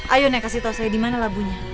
ayo nek kasih tau saya dimana labunya